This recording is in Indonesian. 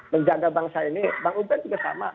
menjaga bangsa ini bang ubed juga sama